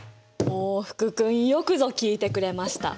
お福君よくぞ聞いてくれました！